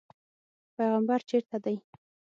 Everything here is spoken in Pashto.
پیغمبر چېرته دی.